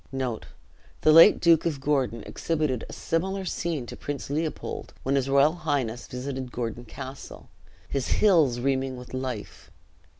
The late Duke of Gordon exhibited a similar scene to Prince Leopold, when his royal highness visited Gordon Castle, his "hills reeming with life."